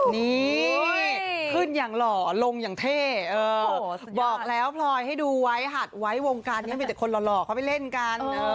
นี่ขึ้นอย่างหล่อลงอย่างเท่บอกแล้วพลอยให้ดูไว้หัดไว้วงการนี้มีแต่คนหล่อเขาไปเล่นกัน